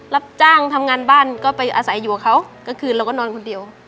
รับจ้างทำงานบ้านก็ไปอาศัยอยู่กับเขากลางคืนเราก็นอนคนเดียว